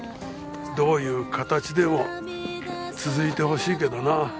どういう形でも続いてほしいけどなあ。